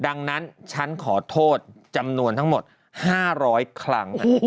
ดังนั้นฉันขอโทษจำนวนทั้งหมด๕๐๐ครั้ง